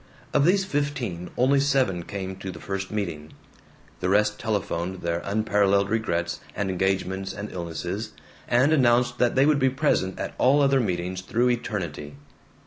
Of these fifteen only seven came to the first meeting. The rest telephoned their unparalleled regrets and engagements and illnesses, and announced that they would be present at all other meetings through eternity.